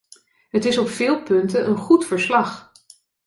Het is op veel punten een goed verslag.